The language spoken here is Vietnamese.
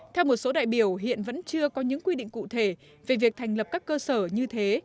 theo một số đại biểu hiện vẫn chưa có những quy định cụ thể về việc thành lập các cơ sở như thế